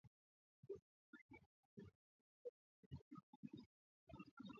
Hilo linawaweka karibu na mashambulizi ya karibuni